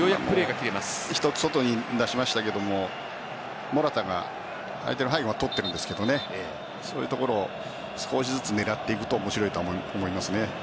外に出しましたがモラタが相手の背後を取っているんですけどそういうところを少しずつ狙っていくと面白いと思いますね。